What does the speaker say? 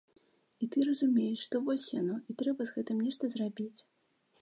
І ты разумееш, што вось яно, і трэба з гэтым нешта зрабіць.